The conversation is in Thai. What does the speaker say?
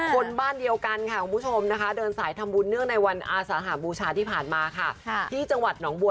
คนบ้านเดียวกันค่ะคุณผู้ชมนะคะเดินสายทำบุญเนื่องในวันอสหบูชาที่ผ่านมาค่ะ